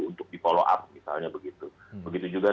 untuk dipolo up misalnya begitu begitu juga